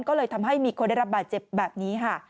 ก็เลยทำให้มีคนได้รับบาดเจ็บแบบนี้ค่ะ